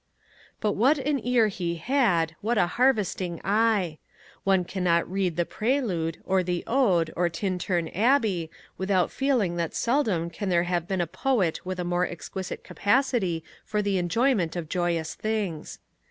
But what an ear he had, what a harvesting eye! One cannot read The Prelude or The Ode or Tintern Abbey without feeling that seldom can there have been a poet with a more exquisite capacity for the enjoyment of joyous things.